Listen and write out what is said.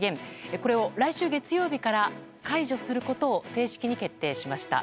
これを来週月曜日から解除することを正式に決定しました。